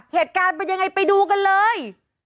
เหตุการณ์เป็นยังไงไปดูกันเลย